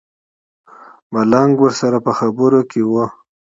ملنګ ورسره په خبرو کې و.